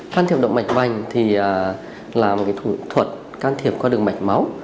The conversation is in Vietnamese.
can thiệp động mạch vành thì là một thủ thuật can thiệp qua đường mạch máu